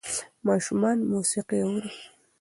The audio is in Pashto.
ماشومان موسیقي اوري.